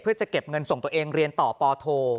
เพื่อจะเก็บเงินส่งตัวเองเรียนต่อปโท